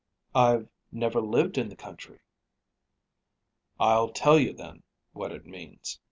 "I've never lived in the country." "I'll tell you, then, what it means."